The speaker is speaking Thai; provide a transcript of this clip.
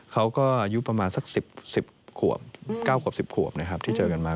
อายุประมาณสัก๑๐ขวบ๙ขวบ๑๐ขวบนะครับที่เจอกันมา